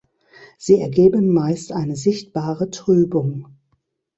Sie ergeben meist eine sichtbare Trübung.